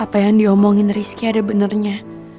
apa yang diomongin rizky ada benarnya